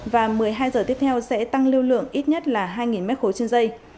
và một mươi hai giờ tiếp theo sẽ tăng lưu lượng ít nhất là hai m ba trên dây